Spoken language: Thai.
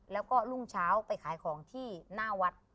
แล้วก็รุ่งเช้าไปขายของที่หน้าวัด